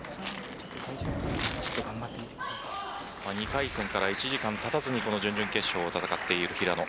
２回戦から１時間たたずにこの準々決勝を戦っている平野。